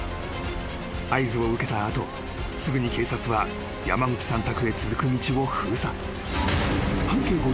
［合図を受けた後すぐに警察は山口さん宅へ続く道を封鎖］